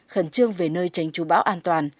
khẩn trương về nơi tránh chú bão an toàn